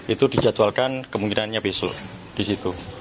itu dijadwalkan kemungkinannya besok di situ